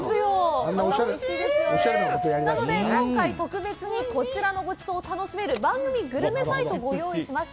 今回は特別にこちらのごちそうを楽しめる番組グルメサイトをご用意しました